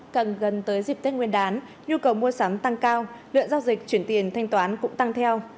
càng gần tới dịp tết nguyên đán nhu cầu mua sắm tăng cao lượng giao dịch chuyển tiền thanh toán cũng tăng theo